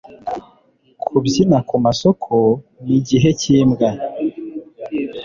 kubyina kumasoko nigihe cyimbwa